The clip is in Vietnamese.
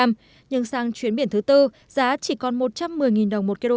nhưng sang chuyến biển thứ tư giá chỉ còn một trăm một mươi đồng một kg